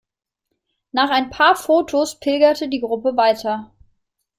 Nach ein paar Fotos pilgerte die Gruppe weiter.